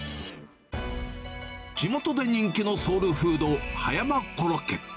地元で人気のソウルフード、葉山コロッケ。